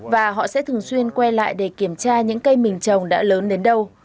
và họ sẽ thường xuyên quay lại để kiểm tra những cây mình trồng đã lớn đến đâu